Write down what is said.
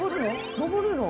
上るの？